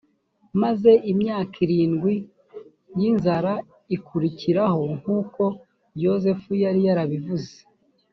maze imyaka irindwi y inzara ikurikiraho nk uko yozefu yari yarabivuze